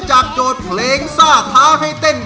จากโดดเพลงซ่าท้าให้เต้น